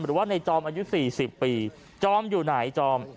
หรือว่าในจอมอายุ๔๐ปีจอมอยู่ไหนจอม